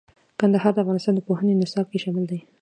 کندهار د افغانستان د پوهنې نصاب کې شامل دي.